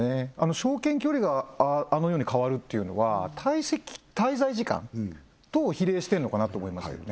商圏距離があのように変わるっていうのは滞在時間と比例してんのかなと思いますけどね